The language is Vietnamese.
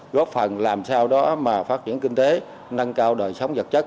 góp phần làm sao đó mà phát triển kinh tế nâng cao đời sống vật chất